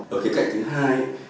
ở cái cạnh thứ hai